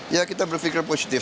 ya kita berpikir positif